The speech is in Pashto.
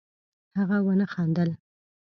هغه ونه خندل